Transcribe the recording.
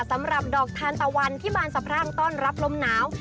สำหรับดอกทานตะวันที่บานสะพรั่งต้อนรับลมหนาว